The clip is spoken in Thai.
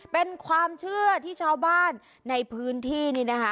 เป็นความเชื่อที่ชาวบ้านในพื้นที่นี่นะคะ